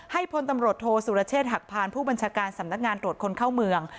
พลตำรวจโทษสุรเชษฐหักพานผู้บัญชาการสำนักงานตรวจคนเข้าเมือง